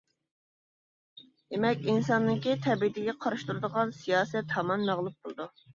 دېمەك ئىنساننىڭكى تەبىئىتىگە قارشى تۇرىدىغان سىياسەت ھامان مەغلۇپ بولىدۇ.